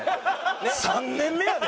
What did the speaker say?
３年目やで？